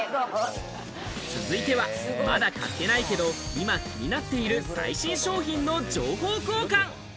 続いて、まだ買っていないけれども、今気になっている最新商品の情報交換！